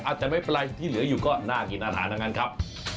อาจจะไม่เป็นไรที่เหลืออยู่ก็น่ากินอาหารทั้งนั้นครับ